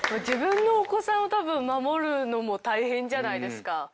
自分のお子さんを守るのも大変じゃないですか。